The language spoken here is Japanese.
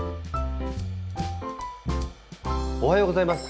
おはようございます。